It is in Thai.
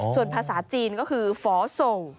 ส่วนภาษาจีนก็คือฝอส่ง